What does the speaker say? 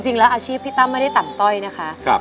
จริงแล้วอาชีพพี่ตั้มไม่ได้ต่ำต้อยนะคะ